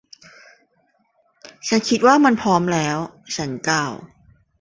ฉันคิดว่ามันพร้อมแล้ว. ฉันกล่าว